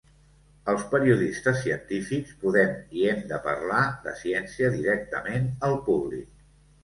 Els periodistes científics podem i hem de parlar de ciència directament al públic.